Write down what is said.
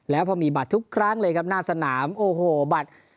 แล้วพอมีบัตรทุกครั้งเลยครับหน้าสนามโอ้โหบัตร